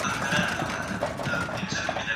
پوهنه عامه کړئ.